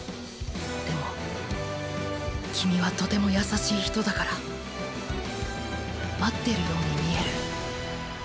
でも君はとても優しい人だから待ってるように見える。